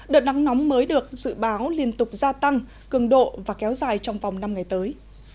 đợt nắng nóng mới được dự báo liên tục gia tăng cường độ và kéo dài trong vòng năm ngày tới